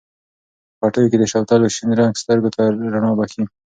په پټیو کې د شوتلو شین رنګ سترګو ته رڼا بښي.